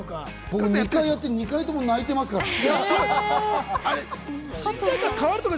僕、２回やって２回とも泣いてますからね。